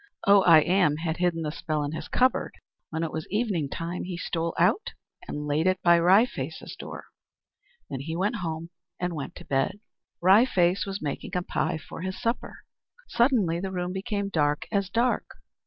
Oh I Am had hidden the spell in his cupboard. When it was evening time, he stole out and laid it by Wry Face's door. Then he went home, and went to bed. The Magic Potato Plant Wry Face was making a pie for his supper. Suddenly the room became dark as dark.